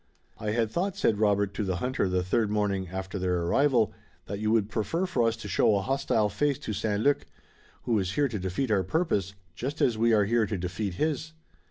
"I had thought," said Robert to the hunter the third morning after their arrival, "that you would prefer for us to show a hostile face to St. Luc, who is here to defeat our purpose, just as we are here to defeat his."